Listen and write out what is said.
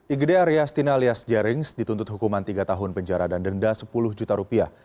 igd aryastina alias jerings dituntut hukuman tiga tahun penjara dan denda sepuluh juta rupiah